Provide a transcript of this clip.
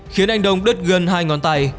khiến anh đông đứt gân hai ngón tay